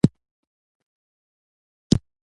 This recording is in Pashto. لیکنه دې په شپږو کرښو کې وشي.